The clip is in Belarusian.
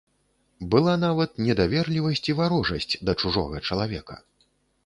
Была нават недаверлівасць і варожасць да чужога чалавека.